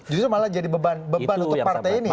jujur malah jadi beban untuk partai ini ya